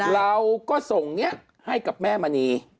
เราก็ส่งนี้ให้กับแม่มณี